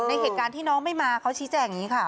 เหตุการณ์ที่น้องไม่มาเขาชี้แจงอย่างนี้ค่ะ